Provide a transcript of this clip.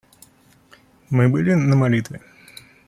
Мы были на молитве.